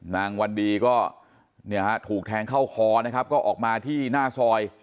วันดีก็เนี่ยฮะถูกแทงเข้าคอนะครับก็ออกมาที่หน้าซอย